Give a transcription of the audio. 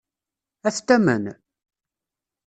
Ad t-tamen?